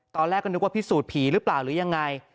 ตอนแรกก็นึกว่าพิสูจนผีหรือเปล่าหรือยังไง